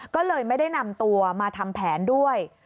ก็เลยไม่ได้นำตัวมาทำแผนด้วย